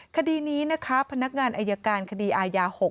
คดีนี้นะคะพนักงานอายการคดีอายา๖